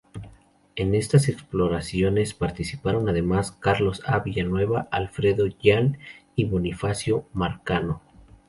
En estas exploraciones participaron además, Carlos A. Villanueva, Alfredo Jahn y Bonifacio Marcano.